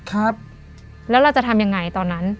ครับแล้วเราจะทำยังไงตอนนั้น